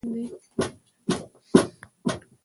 خوب د ستړي بدن ارام دی